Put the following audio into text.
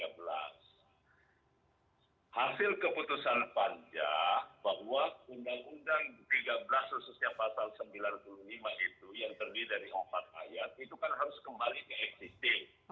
hasil keputusan panja bahwa undang undang tiga belas khususnya pasal sembilan puluh lima itu yang terdiri dari empat ayat itu kan harus kembali ke existing